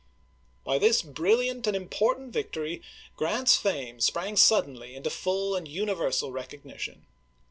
By this brilliant *nd important victory Grant's fame sprang suddenly into full and universal recog nition.